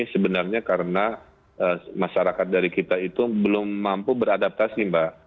sebenarnya karena masyarakat dari kita itu belum mampu beradaptasi mbak